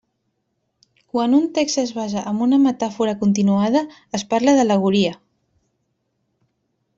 Quan un text es basa en una metàfora continuada, es parla d'al·legoria.